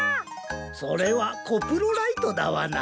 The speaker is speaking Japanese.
それはコプロライトダワナ。